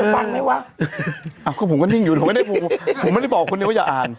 ผมไม่ได้บอกคนเดียวว่าอย่าอ่าน